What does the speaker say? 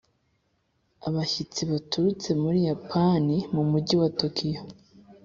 Abashyitsi baturutse muri japan mu mujyi wa tokyo